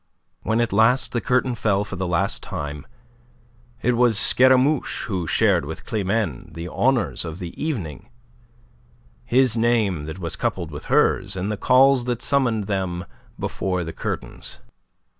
When at last the curtain fell for the last time, it was Scaramouche who shared with Climene the honours of the evening, his name that was coupled with hers in the calls that summoned them before the curtains.